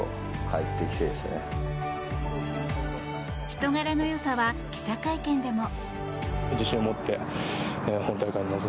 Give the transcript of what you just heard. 人柄のよさは記者会見でも。